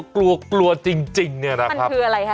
กลัวกลัวจริงเนี่ยนะครับมันคืออะไรคะ